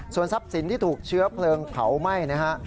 ส่วนทรัพย์สินที่ถูกเชื้อเพลิงเผาไหม้นะฮะ